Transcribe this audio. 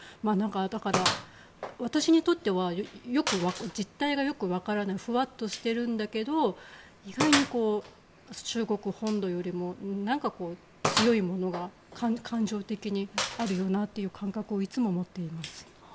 だから、私にとっては実態がよくわからないフワッとしてるんだけど意外に中国本土よりもなんか強いものが感情的にあるよなという感覚をいつも持っています。